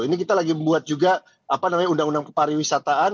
ini kita lagi membuat juga undang undang kepariwisataan